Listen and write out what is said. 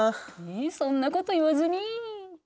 そんなこと言わずに。